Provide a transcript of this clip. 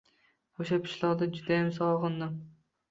Oʻsha pishloqni judayam sogʻindim.